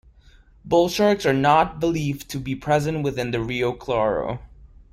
Bull sharks are not believed to be present within the Rio Claro.